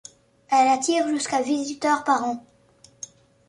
Elle attire jusqu'à visiteurs par an.